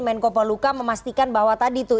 menko poluka memastikan bahwa tadi tuh